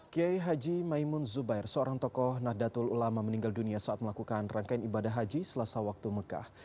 kiai haji maimun zubair seorang tokoh nahdlatul ulama meninggal dunia saat melakukan rangkaian ibadah haji selasa waktu mekah